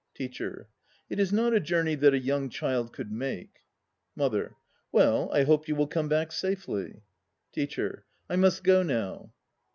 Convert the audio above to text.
TEACHER. It is not a journey that a young child could make. MOTHER. Well, I hope you will come back safely. TEACHER. I must go now.